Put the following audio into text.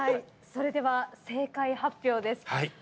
それでは正解発表です。